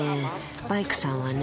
バイクさんはね